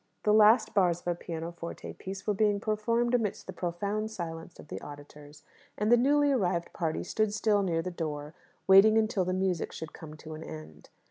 The last bars of a pianoforte piece were being performed amidst the profound silence of the auditors, and the newly arrived party stood still near the door, waiting until the music should come to an end.